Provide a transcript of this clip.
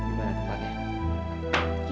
di mana tempatnya